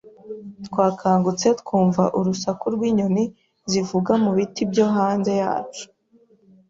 Twakangutse twumva urusaku rw'inyoni zivuga mu biti byo hanze yacu.